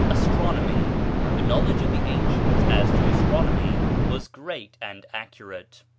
Astronomy. The knowledge of the ancients as to astronomy was great and accurate.